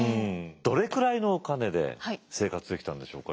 どれくらいのお金で生活できたんでしょうか？